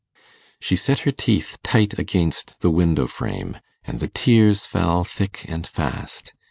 She set her teeth tight against the window frame, and the tears fell thick and fast.